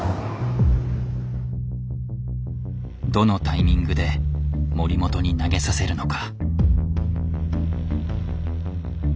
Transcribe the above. どのタイミングで森本に投げさせるのか。